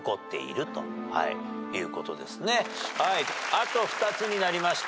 あと２つになりました。